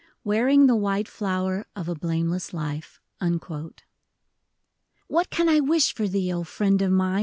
Wearing the white flower of a blameless life." HAT can I wish for thee, O friend of mine